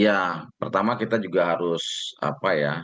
ya pertama kita juga harus apa ya